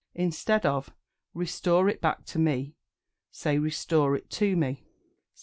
Instead of "Restore it back to me," say "Restore it to me." 74.